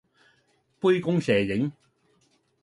杯弓蛇影